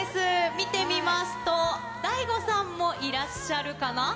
見てみますと、ＤＡＩＧＯさんもいらっしゃるかな？